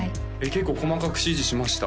結構細かく指示しました？